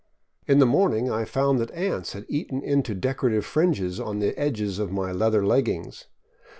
In the morning I found that ants had eaten into decorative fringes the edges of my leather leggings.